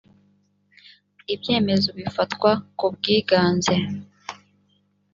ibyemezo bifatwa ku bwiganze